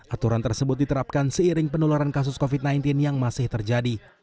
aturan tersebut diterapkan seiring penularan kasus covid sembilan belas yang masih terjadi